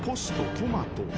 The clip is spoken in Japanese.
トマト］